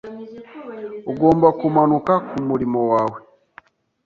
Ugomba kumanuka kumurimo wawe.